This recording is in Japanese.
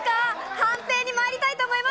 判定にまいりたいと思います。